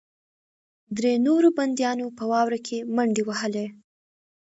درې نورو بندیانو په واوره کې منډې وهلې